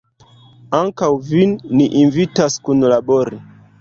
Ankaŭ vin ni invitas kunlabori!